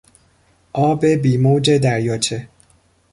آب بیموج دریاچه